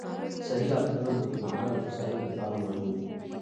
صحي عادتونه د اوږدمهاله هوساینې لپاره مهم دي.